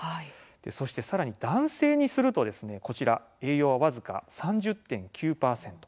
そして、さらに男性にするとこちら栄養は僅か３０．９％。